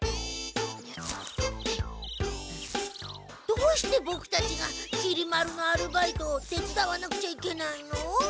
どうしてボクたちがきり丸のアルバイトを手伝わなくちゃいけないの？